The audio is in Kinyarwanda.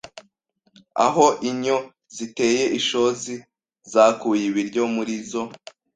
Aho inyo ziteye ishozi zakuye ibiryo muri zo